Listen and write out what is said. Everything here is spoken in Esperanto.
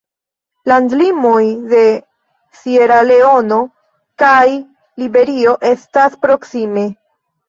Landlimoj de Sieraleono kaj Liberio estas proksime.